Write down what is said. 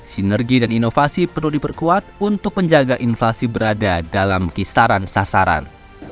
sinergi dan inovasi perlu diperkuat untuk menjaga inflasi berada dalam kisaran sasaran